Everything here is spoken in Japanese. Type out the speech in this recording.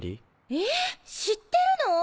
え知ってるの？